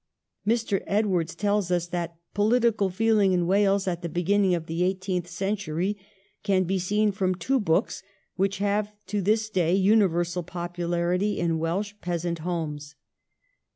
Mr. Edwards tells us that ' Political feeling in Wales at the beginning of the eighteenth century can be seen from two books which have to this day universal popularity in Welsh peasant homes.'